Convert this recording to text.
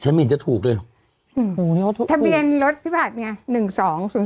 ชะมินจะถูกเลยอืมทะเบียนรถพี่ผัดเนี้ยหนึ่งสองศูนย์